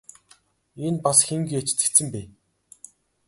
Энэ бас хэн гээч цэцэн бэ?